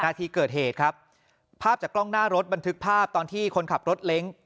นาทีเกิดเหตุครับภาพจากกล้องหน้ารถบันทึกภาพตอนที่คนขับรถเล้ง